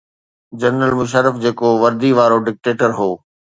General Musharraf جيڪو وردي وارو ڊڪٽيٽر هو.